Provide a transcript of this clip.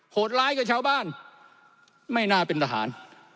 โหดร้ายกับชาวบ้านไม่น่าเป็นทหาร